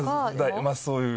まあそういう。